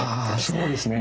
あそうですね。